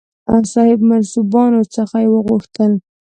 صاحب منصبانو څخه یې وغوښتل.